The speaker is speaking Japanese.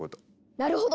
なるほど！